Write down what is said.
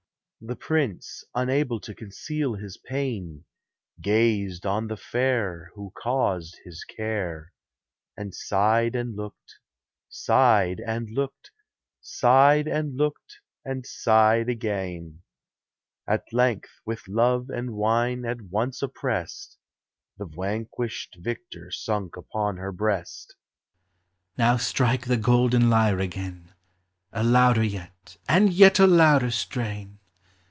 CHORUS. The prince, unable to conceal his pain, Gazed on the fair Who caused his care, And sighed and looked, sighed and looked^ Sighed and looked, and sighed again : THE ARTS. 377 At length vrith love and wine at once oppressed, The vanquished victor sunk upon her breast. Now strike the golden lyre again : A louder yet, and yet a louder strain.